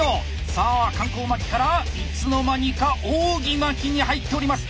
さあ環行巻きからいつの間にか扇巻きに入っております。